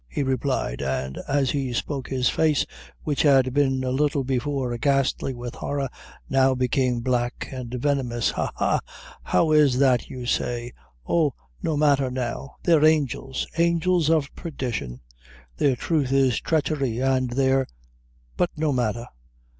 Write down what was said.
he replied, and as he spoke his face, which had been, a little before, ghastly with horror, now became black and venomous; "ha! ha! how is that, you say? oh, no matther now; they're angels; angels of perdition; their truth is treachery, an' their but no matther.